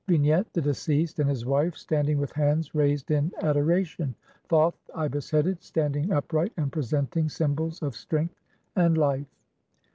] Vignette : (a) The deceased and his wife standing with hands raised in adoration ; (b) Thoth, ibis headed, standing upright and presenting sym bols of "strength" and "life".